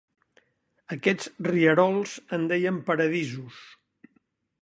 Aquests rierols, en deien "paradisos".